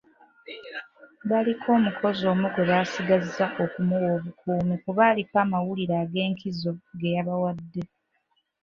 Baliko omukozi omu gwe basigaza okumuwa obukuumi kuba aliko amawulire ag'enkizo ge yabawadde.